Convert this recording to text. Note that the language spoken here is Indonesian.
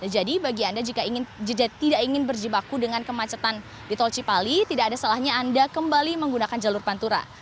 jadi bagi anda jika tidak ingin berjibaku dengan kemacetan di tol cipali tidak ada salahnya anda kembali menggunakan jalur pantura